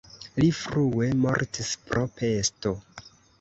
Li frue mortis pro pesto.